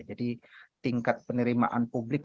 jadi tingkat penerimaan publik